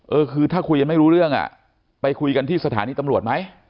เออคือถ้าคุยกันไม่รู้เรื่องอ่ะไปคุยกันที่สถานีตำรวจไหม